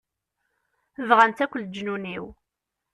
Bɣan-tt akk leǧnun-iw.